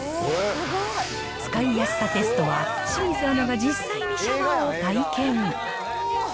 使いやすさテストは、清水アナが実際にシャワーを体験。